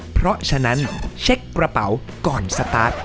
เพราะฉะนั้นเช็คกระเป๋าก่อนสตาร์ท